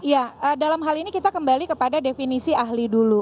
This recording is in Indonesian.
ya dalam hal ini kita kembali kepada definisi ahli dulu